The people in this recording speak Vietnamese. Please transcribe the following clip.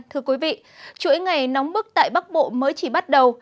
thưa quý vị chuỗi ngày nóng bức tại bắc bộ mới chỉ bắt đầu